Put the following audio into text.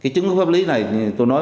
chứng cứ pháp lý này tôi nói